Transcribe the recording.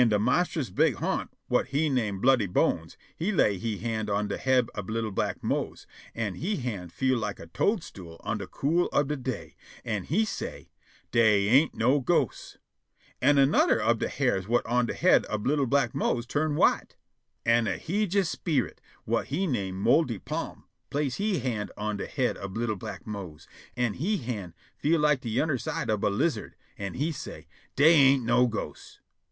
An' de monstrous big ha'nt whut he name Bloody Bones he lay he hand on de head ob li'l' black Mose, an' he hand feel like a toadstool in de cool ob de day, an' he say': "Dey ain't no ghosts." An' anudder ob de hairs whut on de head ob li'l' black Mose turn' white. An' a heejus sperit whut he name Moldy Pa'm place' he hand on de head ob li'l' black Mose, an' he hand feel like de yunner side ob a lizard, an' he say': "Dey ain't no ghosts."